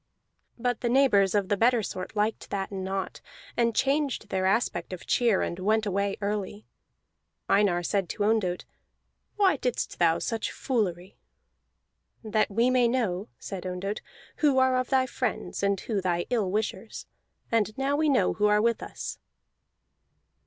But the neighbors of the better sort liked that not, and changed their aspect of cheer, and went away early. Einar said to Ondott, "Why didst thou such foolery?" "That we may know," said Ondott, "who are of thy friends, and who thy ill wishers. And now we know who are with us."